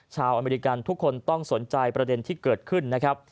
อเมริกันทุกคนต้องสนใจประเด็นที่เกิดขึ้นนะครับ